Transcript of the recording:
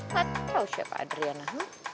gak tau siapa adriana